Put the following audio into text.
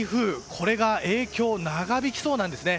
これが影響長引きそうなんですね。